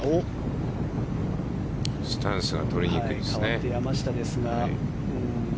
スタンスが取りにくいですね。